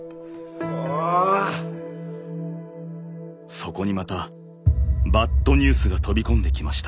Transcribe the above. そこにまたバッドニュースが飛び込んできました。